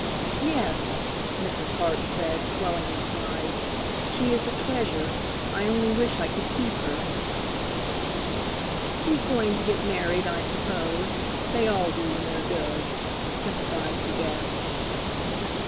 "Yes," Mrs. Hart said, swelling with pride, "she is a treasure. I only wish I could keep her." "She's going to get married, I suppose. They all do when they're good," sympathized the guest.